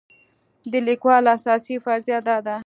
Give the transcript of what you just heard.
د لیکوال اساسي فرضیه دا ده.